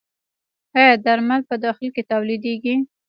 آیا درمل په داخل کې تولیدیږي؟